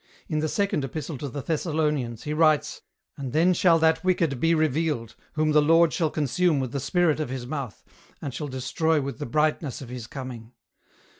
In the second epistle to the Thessalonians he writes, 'And then shall that Wicked be revealed, whom the Lord shall consume with the Spirit of his mouth, and shall destroy with the brightness of his coming.'